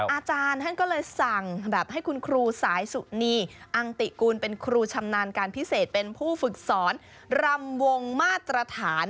อาจารย์ท่านก็เลยสั่งแบบให้คุณครูสายสุนีอังติกูลเป็นครูชำนาญการพิเศษเป็นผู้ฝึกสอนรำวงมาตรฐาน